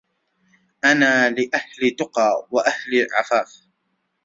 إنا لأهل تقى وأهل عفاف